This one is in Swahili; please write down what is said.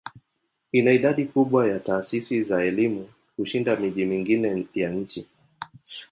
Ina idadi kubwa ya taasisi za elimu kushinda miji mingine ya nchi.